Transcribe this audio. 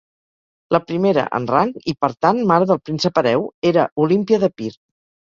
La primera en rang i, per tant, mare del príncep hereu, era Olímpia d'Epir.